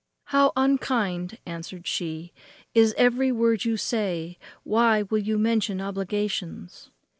"How unkind," answered she, "is every word you say, why will you mention obligations?